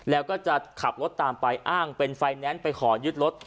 แล้วก็จะขับรถตามไปอ้างเป็นไฟแนนซ์ไปขอยึดรถ